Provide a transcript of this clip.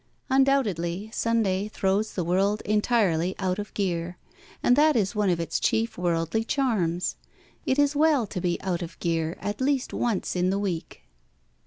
Undoubtedly, Sunday throws the world entirely out of gear, and that is one of its chief worldly charms. It is well to be out of gear at least once in the week.